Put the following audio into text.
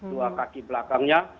dua kaki belakangnya